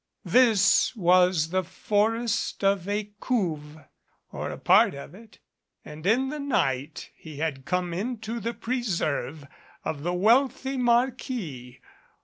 This was the forest of Ecouves or a part of it and in the night he had come into the preserve of the wealthy marquis.